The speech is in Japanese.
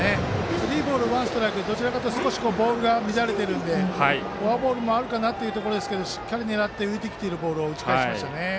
スリーボールワンストライクでボールが乱れていたのでフォアボールもあるかなというところですがしっかり狙って浮いてきたボールを打ち返しましたね。